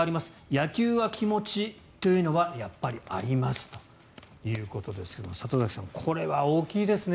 野球は気持ちというのはやっぱりありますということですけれども里崎さん、これは大きいですね